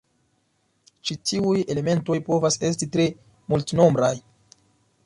Ĉi tiuj elementoj povas esti tre multnombraj.